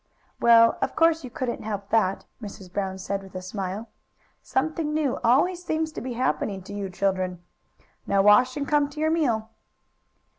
"Well, of course you couldn't help that," Mrs. Brown said with a smile. "Something new always seems to be happening to you children. Now wash and come to your meal."